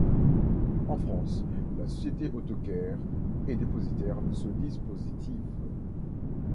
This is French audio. En France, la société AutoCare est dépositaire de ce dispositif.